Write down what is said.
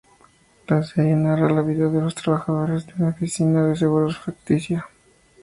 La serie narra la vida de los trabajadores de una oficina de seguros ficticia.